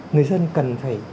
người dân cần phải